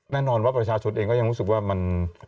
แน่นอนว่าประชาชนเองก็ยังรู้สึกว่ามัน